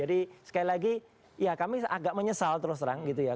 jadi sekali lagi ya kami agak menyesal terus terang gitu ya